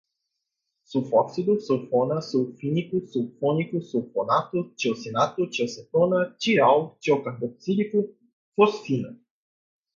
sulfóxido, sulfona, sulfínico, sulfônico, sulfonato, tiocianato, tiocetona, tial, tiocarboxílico, fosfina